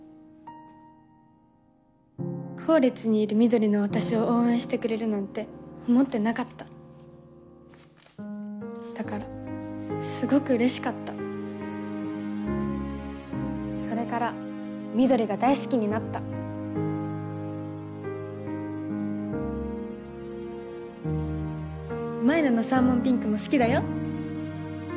後列にいる緑の私を応援してくれるなんて思ってなかっただからすごくうれしかったそれから緑が大好きになった舞菜のサーモンピンクも好きだよ